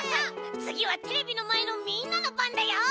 つぎはテレビのまえのみんなのばんだよ！